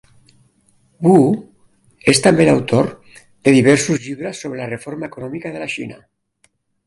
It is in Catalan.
Wu és també l'autor de diversos llibres sobre la reforma econòmica de la Xina.